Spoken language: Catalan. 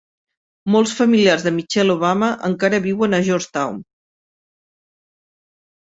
Molts familiars de Michelle Obama encara viuen a Georgetown.